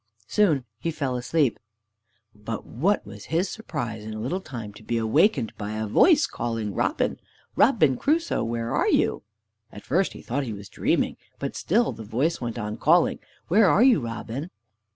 Soon he fell asleep. But what was his surprise in a little time to be awakened by a voice calling, "Robin! Robin Crusoe! where are you?" At first he thought he was dreaming. But still the voice went on calling: "Where are you, Robin?"